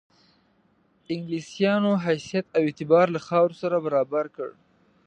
انګلیسیانو حیثیت او اعتبار له خاورو سره برابر کړي.